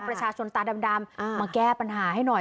ประชาชนตาดำมาแก้ปัญหาให้หน่อย